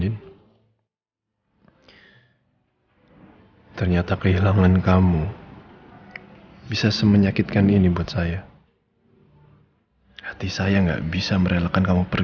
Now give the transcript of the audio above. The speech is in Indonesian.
atau bali sembaurus ambilmar